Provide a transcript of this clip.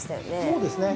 そうですね。